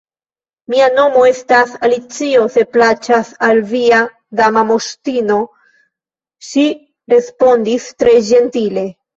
"Mia nomo estas Alicio, se plaĉas al via Dama Moŝtino," ŝi respondis tre ĝentile.